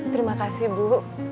terima kasih bu